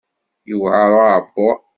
Yewɛer uɛebbuḍ.